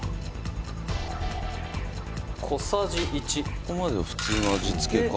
ここまでは普通の味付けか。